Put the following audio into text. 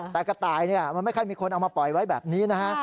แต่กระต่ายมันไม่ค่อยมีคนเอามาปล่อยไว้แบบนี้นะฮะ